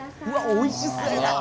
おいしそう！